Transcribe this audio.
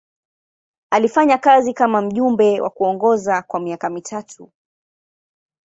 Alifanya kazi kama mjumbe na kuongoza kwa miaka mitatu.